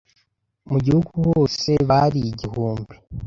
mu gihugu hose bari igihumbi